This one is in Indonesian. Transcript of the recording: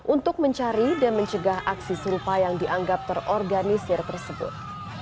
untuk mencari dan mencegah aksi serupa yang dianggap terorganisir tersebut